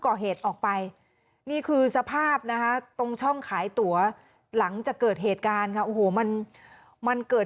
ก่อเหตุออกไปนี่คือสภาพนะคะตรงช่องขายตั๋วหลังจากเกิดเหตุการณ์ค่ะโอ้โหมันมันเกิด